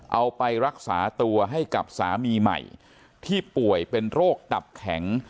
เอาไปรักษาตัวให้กับสามีใหม่ที่ป่วยเป็นโรคตับแข็ง